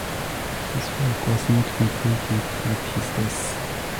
This work was not completed at his death.